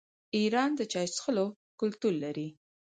ایران د چای څښلو کلتور لري.